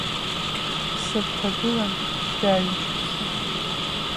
Сырҭагылан ҩажәа шықәса.